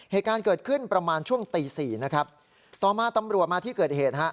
เหตุการณ์เกิดขึ้นประมาณช่วงตีสี่นะครับต่อมาตำรวจมาที่เกิดเหตุฮะ